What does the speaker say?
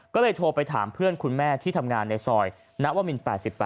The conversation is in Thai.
ก็เลยโทรไปถามเพื่อนคุณแม่ที่ทำงานในซอยนวมิน๘๘